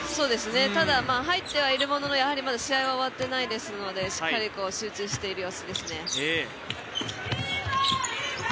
ただ、入ってはいるもののまだ試合は終わってないですのでしっかり集中している様子ですね。